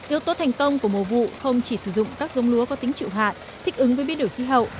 yếu tố thành công của mùa vụ không chỉ sử dụng các dông lúa có tính chịu hạn thích ứng với biến đổi khí hậu